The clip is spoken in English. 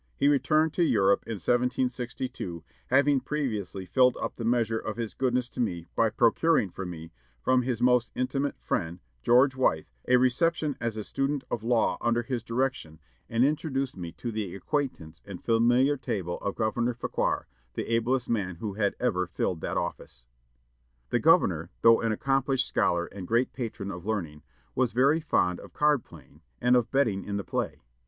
He returned to Europe in 1762, having previously filled up the measure of his goodness to me by procuring for me, from his most intimate friend, George Wythe, a reception as a student of law under his direction, and introduced me to the acquaintance and familiar table of Governor Fauquier, the ablest man who had ever filled that office." The governor, though an accomplished scholar and great patron of learning, was very fond of card playing, and of betting in the play.